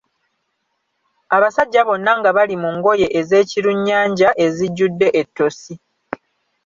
Abasajja bonna nga bali mu ngoye ez'ekirunnyanja ezijjudde ettosi.